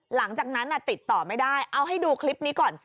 หลังจากนั้นติดต่อไม่ได้เอาให้ดูคลิปนี้ก่อน